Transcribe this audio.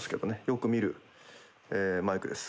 よく見るマイクです。